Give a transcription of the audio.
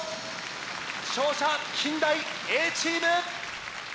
勝者近大Ａチーム！